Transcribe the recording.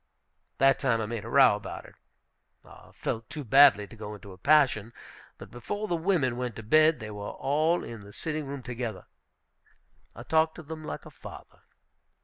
That time I made a row about it. I felt too badly to go into a passion. But before the women went to bed, they were all in the sitting room together, I talked to them like a father.